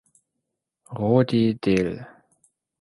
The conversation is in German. Rodi del.